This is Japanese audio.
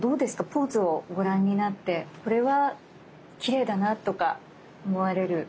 ポーズをご覧になってこれはきれいだなとか思われる。